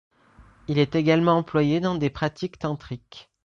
Il est également employé dans des pratiques tantriques.